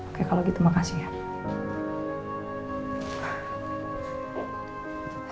oke kalau gitu makasih ya